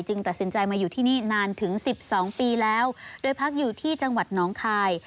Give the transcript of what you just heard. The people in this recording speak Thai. ตัดสินใจมาอยู่ที่นี่นานถึงสิบสองปีแล้วโดยพักอยู่ที่จังหวัดน้องคาย